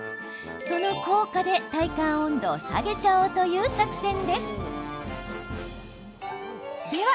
その効果で体感温度を下げちゃおうという作戦です。